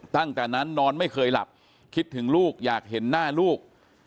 ตั้งแต่นั้นนอนไม่เคยหลับคิดถึงลูกอยากเห็นหน้าลูก